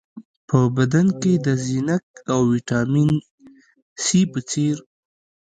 په بدن کې د زېنک او ویټامین سي په څېر